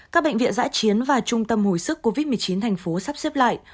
các bệnh viện giãi chiến và trung tâm hồi sức covid một mươi chín tp hcm sắp xếp lại